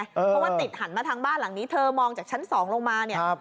เพราะว่าติดหันมาทางบ้านหลังนี้เธอมองจากชั้น๒ลงมาเนี่ย